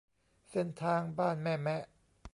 เส้นทางบ้านแม่แมะ